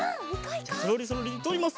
じゃあそろりそろりとおります！